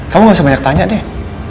kamu gak sempat tanya deh